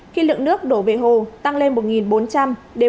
khi lượng nước đổ về hồ tăng lên một bốn trăm linh đến một sáu trăm linh m ba trên dây